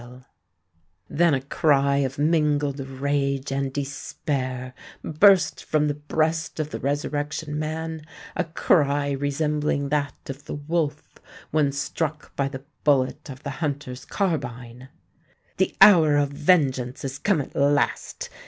Then a cry of mingled rage and despair burst from the breast of the Resurrection Man,—a cry resembling that of the wolf when struck by the bullet of the hunter's carbine! "The hour of vengeance is come at last!"